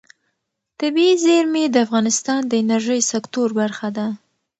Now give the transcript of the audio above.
طبیعي زیرمې د افغانستان د انرژۍ سکتور برخه ده.